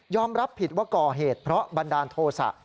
รับผิดว่าก่อเหตุเพราะบันดาลโทษะ